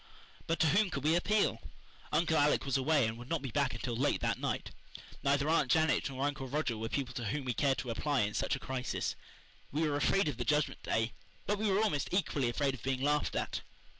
But to whom could we appeal? Uncle Alec was away and would not be back until late that night. Neither Aunt Janet nor Uncle Roger were people to whom we cared to apply in such a crisis. We were afraid of the Judgment Day; but we were almost equally afraid of being laughed at.